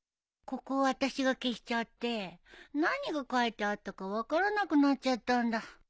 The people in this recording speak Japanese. ここ私が消しちゃって何が書いてあったか分からなくなっちゃったんだ。